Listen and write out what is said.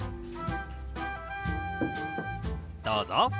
どうぞ。